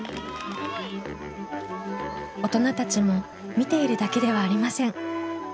大人たちも見ているだけではありません。